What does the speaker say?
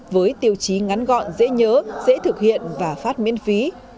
với tiêu chí ngắn gọn dễ nhớ dễ thực hiện và phát miễn phí